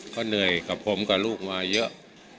เขาเหนื่อยกับผมกับลูกมาเยอะ